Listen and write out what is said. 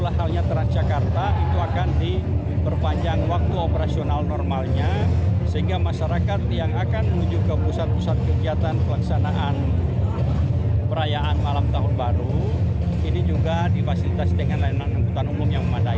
halnya transjakarta itu akan diperpanjang waktu operasional normalnya sehingga masyarakat yang akan menuju ke pusat pusat kegiatan pelaksanaan perayaan malam tahun baru ini juga difasilitasi dengan layanan angkutan umum yang memadai